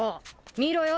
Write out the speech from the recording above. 見ろよ